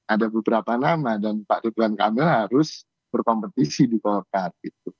ada beberapa nama dan pak ridwan kamil harus berkompetisi di golkar